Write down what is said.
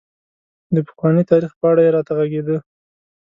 د پخواني تاريخ په اړه یې راته غږېده.